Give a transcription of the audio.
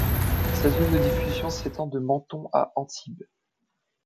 Sa zone de diffusion s’étend de Menton à Antibes.